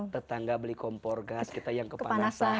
tetangga beli kompor gas kita yang kepanasan